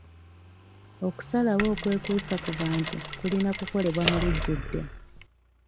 Okusalawo okwekuusa ku bantu kulina kukolebwa mu lujjudde.